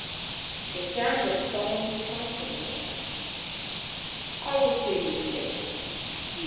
The sound of solemn chanting met them. " I will see who sings.